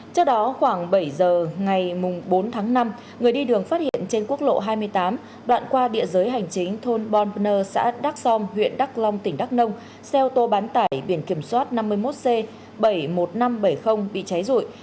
trước đó khoảng bảy giờ ngày bốn tháng năm người đi đường phát hiện trên quốc lộ hai mươi tám đoạn qua địa giới hành chính thôn bonner xã đắk som huyện đắk long tỉnh đắk nông xe ô tô bán tải biển kiểm soát năm mươi một c bảy mươi một nghìn năm trăm bảy mươi bị cháy rụi